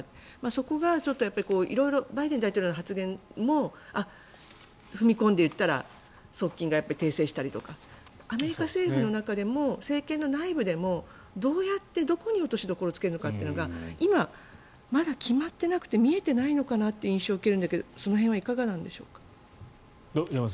そこが色々バイデン大統領の発言も踏み込んで言ったら側近が訂正したりとかアメリカ政府の中でも政権の内部でもどうやってどこに落としどころをつけるのかというのが今、まだ決まってなくて見えてないのかなという印象を受けるんですが山添さん、どうでしょう。